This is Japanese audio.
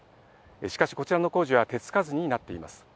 しかし、こちらの工事は手付かずになっています。